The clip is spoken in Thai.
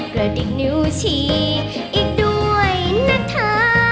กระดิกนิ้วชีอีกด้วยนะเธอ